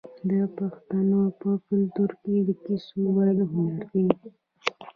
د پښتنو په کلتور کې د کیسو ویل هنر دی.